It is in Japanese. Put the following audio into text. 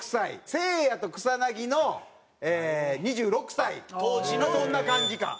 せいやと草薙の２６歳どんな感じか。